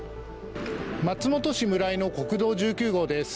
松本市村井の国道１９号です。